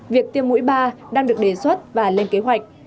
việc tiêm mũi ba đang được đề xuất và lên kế hoạch